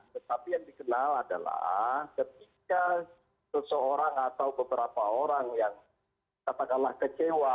tetapi yang dikenal adalah ketika seseorang atau beberapa orang yang katakanlah kecewa